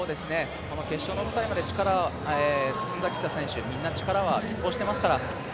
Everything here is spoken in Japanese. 決勝の舞台まで進んできた選手、みんな力は拮抗していますから。